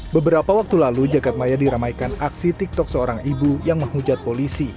beberapa waktu lalu jagadmaya diramaikan aksi tiktok seorang ibu yang menghujat polisi